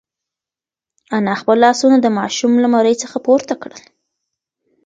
انا خپل لاسونه د ماشوم له مرۍ څخه پورته کړل.